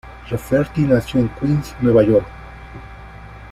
Rafferty nació en Queens, Nueva York.